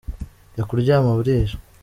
jya kuryama burije